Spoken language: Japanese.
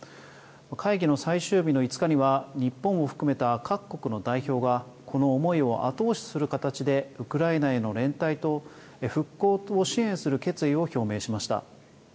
会議の最終日の５日には日本を含めた各国の代表がこの思いを後押しする形でウクライナへの連帯と復興を支援する決意を表明しました。